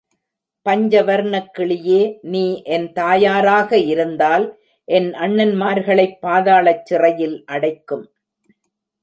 பஞ்சவர்ணக் கிளியே, நீ என் தாயாராக இருந்தால் என் அண்ணன்மார்களைப் பாதாளச் சிறையில் அடைக்கும்